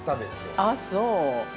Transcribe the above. ◆あっ、そう。